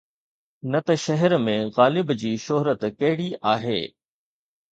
نه ته شهر ۾ غالب جي شهرت ڪهڙي آهي؟